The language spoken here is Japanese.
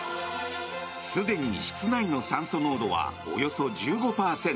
すでに室内の酸素濃度はおよそ１５％。